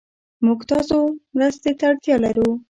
موږ تاسو مرستې ته اړتيا لرو